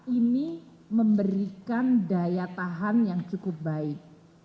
ini memberikan daya tahan yang cukup baik